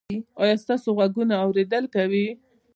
ایا ستاسو غوږونه اوریدل کوي؟